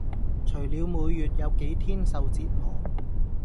除了每月有幾天受折磨